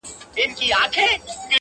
ته به مي شړې خو له ازل سره به څه کوو؟.!